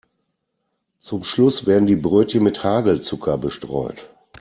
Zum Schluss werden die Brötchen mit Hagelzucker bestreut.